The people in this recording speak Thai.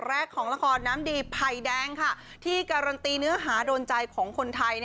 แรกของละครน้ำดีไผ่แดงที่การันตีเนื้อหาโดนใจของคนไทย